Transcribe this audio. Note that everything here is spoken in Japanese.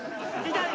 痛い！